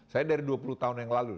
saya dari dua puluh tahun yang lalu